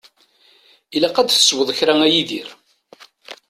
Ilaq ad tesweḍ kra a Yidir.